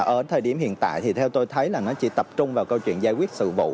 ở thời điểm hiện tại thì theo tôi thấy là nó chỉ tập trung vào câu chuyện giải quyết sự vụ